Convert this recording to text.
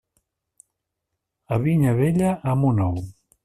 A vinya vella, amo nou.